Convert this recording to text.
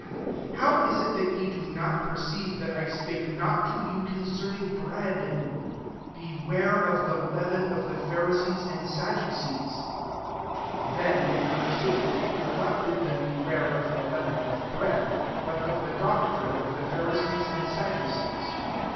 11 How is it that ye do not per ceive that I spake not to you concerning bread, 'Beware of the leaven of the Pharisees and Sadducees ?''^ 12 Then they un derstood that he did not bid them beware of the leaven of bread, but of the doctrine of the Pharisees and Sadducees.